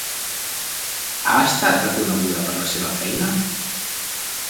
Ha estat reconeguda per la seva feina?